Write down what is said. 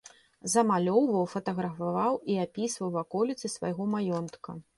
Замалёўваў, фатаграфаваў і апісваў ваколіцы свайго маёнтка.